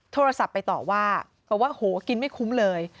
โทรศัพท์ไปตอบว่ากินไม่คุ้มเลย